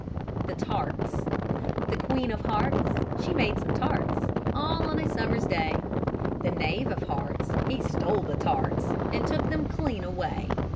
THE TARTS The Queen of Hearts, She made some tarts, All on a summer's day; The Knave of Hearts, He stole the tarts, And took them clean away.